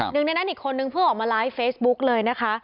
หนึ่งในนั้นอีกคนนึงเพิ่งออกมาไลฟ์เฟซบุ๊กเลยนะคะ